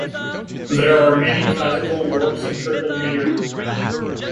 There are many classical works in triple metre.